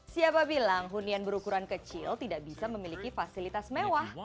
siapa bilang hunian berukuran kecil tidak bisa memiliki fasilitas mewah